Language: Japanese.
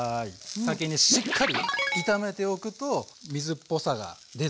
先にしっかり炒めておくと水っぽさが出ずに味が薄まらない。